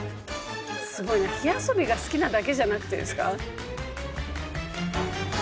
すごいな火遊びが好きなだけじゃなくてですか？